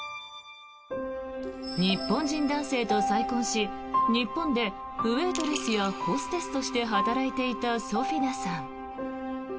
日本人男性と再婚し日本でウェートレスやホステスとして働いていたソフィナさん。